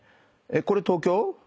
これ東京？